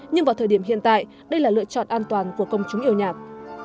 nhưng vào thời điểm hiện tại đây là lựa chọn an toàn của công chúng yêu nhạc